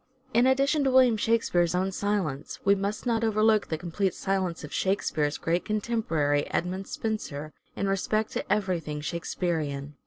Spenser'* in addition to William Shakspere's own silence we must not overlook the complete silence of " Shake speare's " great contemporary Edmund Spenser in respect to everything Shakespearean.